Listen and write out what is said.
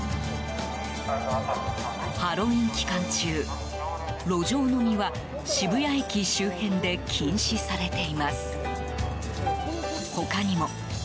ハロウィーン期間中路上飲みは渋谷駅で禁止されています。